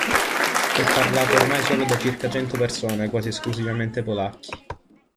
È parlato ormai solo da circa cento persone, quasi esclusivamente polacchi.